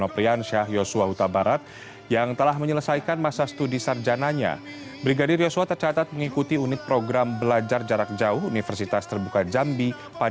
kisah kisah terbuka di jambi